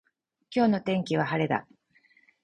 今日の天気は晴れだ。